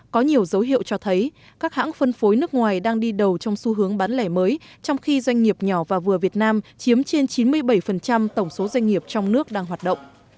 có nhiều dấu hiệu cho thấy các hãng phân phối nước ngoài đang đi đầu trong xu hướng bán lẻ mới trong khi doanh nghiệp nhỏ và vừa việt nam chiếm trên chín mươi bảy tổng số doanh nghiệp trong nước đang hoạt động